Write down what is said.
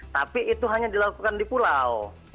tapi itu hanya dilakukan di pulau